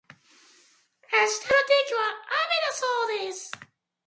明日の天気は雨だそうです。